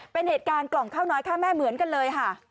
เป็นเหตุการณ์กล่องข้าวน้อยฆ่าแม่เหมือนกันเลยค่ะ